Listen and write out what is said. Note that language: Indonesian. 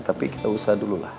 tapi kita usah dululah